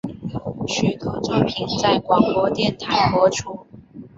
许多作品在广播电台播出。